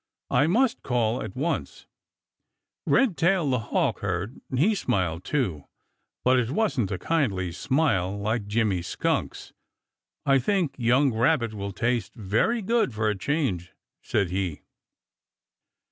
I must call at once." Redtail the Hawk heard, and he smiled too, but it wasn't a kindly smile like Jimmy Skunk's. "I think young Rabbit will taste very good for a change," said he.